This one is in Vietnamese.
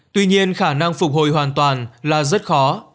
tuy nhiên khả năng phục hồi hoàn toàn là rất khó